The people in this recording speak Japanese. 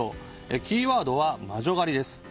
キーワードは魔女狩りです。